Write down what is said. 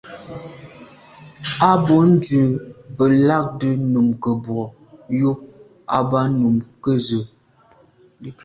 A bwô ndù be lagte nukebwô yub à ba nu ke ze.